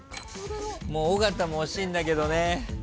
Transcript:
尾形も惜しいんだけどね。